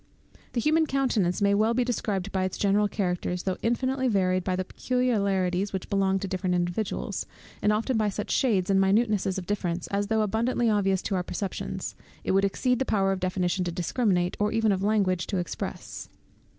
The human countenance may be well described by its general characters, though infinitely varied by the peculiarities which belong to different individuals, and often by such shades and minutenesses of difference, as though abundantly obvious to our perceptions, it would exceed the power of definition to discriminate, or even of language to express.